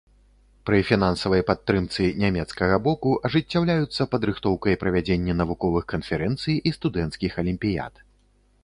Пры фінансавай падтрымцы нямецкага боку ажыццяўляюцца падрыхтоўка і правядзенне навуковых канферэнцый і студэнцкіх алімпіяд.